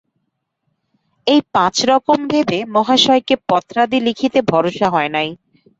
এই পাঁচ রকম ভেবে মহাশয়কে পত্রাদি লিখিতে ভরসা হয় নাই।